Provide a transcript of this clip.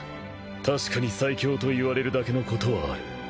確かに最強といわれるだけのことはある。